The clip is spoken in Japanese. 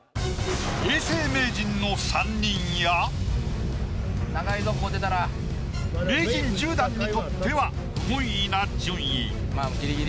永世名人の３人や名人１０段にとっては不本意な順位。